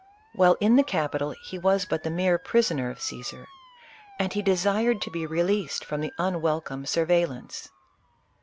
While in the capital, he was but the mere prisoner of Caesar, and he desired to be released from the unwelcome sur veillance.